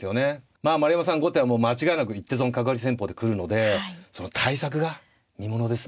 まあ丸山さん後手はもう間違いなく一手損角換わり戦法で来るのでその対策が見ものですね。